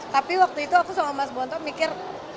tapi waktu itu aku sama mas bonto mikir